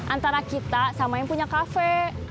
antara kita sama yang punya kafe